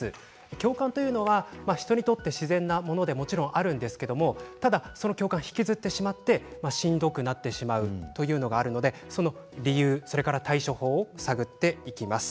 共感というのは人にとって自然なものではあるんですけれどその共感を引きずってしまってしんどくなるというのがあるのでその理由や対処法を探っていきます。